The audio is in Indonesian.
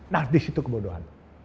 nah di situ kebodohan